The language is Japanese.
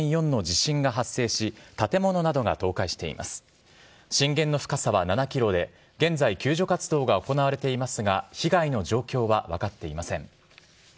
震源の深さは７キロで、現在、救助活動が行われていますが、被害の状況は分かっていません。